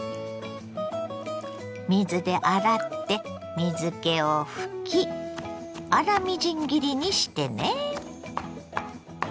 水で洗って水けを拭き粗みじん切りにしてね。